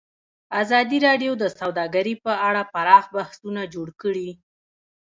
ازادي راډیو د سوداګري په اړه پراخ بحثونه جوړ کړي.